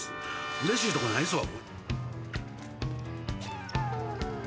「うれしい」とかないですわ。